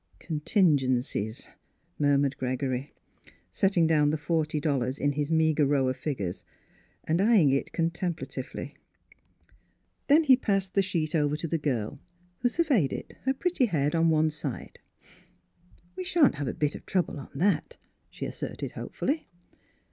" Contingencies," murmured Gregory, setting down the forty dollars in his meagre row of figures and eyeing it con templatively. Then he passed the sheet over to the Miss Fhilura's Wedding Gown girl, who surveyed it, her pretty head on one side. " We shan't have a bit of trouble on that," she asserted hopefully.